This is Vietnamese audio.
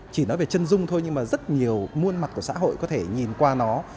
chỉ nói về chân dung thôi nhưng mà rất nhiều muôn mặt của xã hội có thể nhìn qua nó